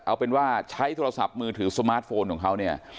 เอาเป็นว่าใช้โทรศัพท์มือถือสมาร์ทโฟนของเขาเนี่ย